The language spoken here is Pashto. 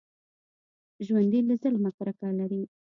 ژوندي له ظلمه کرکه لري